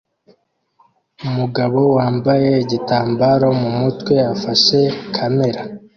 Umugabo wambaye igitambaro mu mutwe afashe kamera